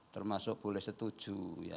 termasuk boleh setuju